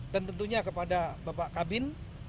dan tentunya kepada bapak kabin